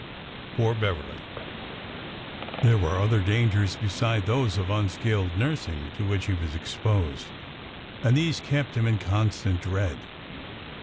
Poor Beverly! There were other dangers besides those of unskilled nursing to which he was exposed, and these kept them in constant dread.